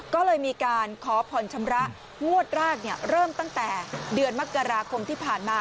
ก็เลยมีการขอผ่อนชำระงวดแรกเริ่มตั้งแต่เดือนมกราคมที่ผ่านมา